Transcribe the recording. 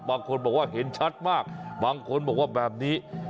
บางคนบอกว่าเห็นชัดมากบางคนบอกว่าแบบนี้